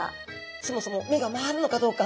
そもそも目が回るのかどうか。